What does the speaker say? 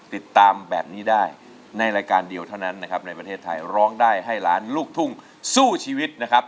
ติดตามแบบนี้ได้ในรายการเดียวเท่านั้นนะครับในประเทศไทยร้องได้ให้ล้านลูกทุ่งสู้ชีวิตนะครับ